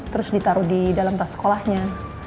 terus ditaruh di dalam tas sekolahnya